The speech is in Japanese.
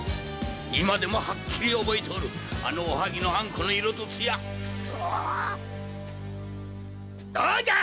今でもはっきり覚えておるあのおはぎのあんこの色とツヤくっそー！